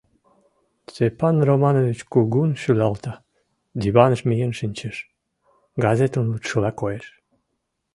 Степан Романович кугун шӱлалта, диваныш миен шинчеш, газетым лудшыла коеш.